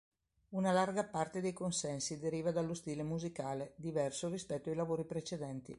Una larga parte dei consensi deriva dallo stile musicale, diverso rispetto ai lavori precedenti.